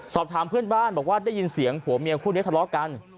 สอบถามเพื่อนบ้านบอกว่าได้ยินเสียงผัวเมียคู่นี้ทะเลาะกัน